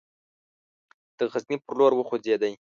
د غزني پر لور وخوځېدی.